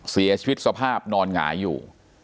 เสียชีวิตสภาพนอนหงายอยู่